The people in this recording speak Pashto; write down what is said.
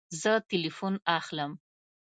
زه تلیفون اخلم